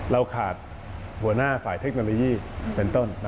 เราขาดหัวหน้าฝ่ายเทคโนโลยีเป็นต้น